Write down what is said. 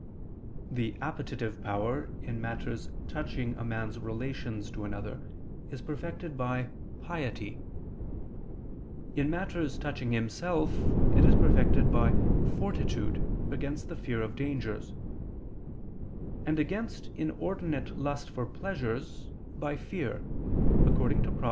_ The appetitive power, in matters touching a man's relations to another, is perfected by piety; in matters touching himself, it is perfected by fortitude against the fear of dangers; and against inordinate lust for pleasures, by fear, according to Prov.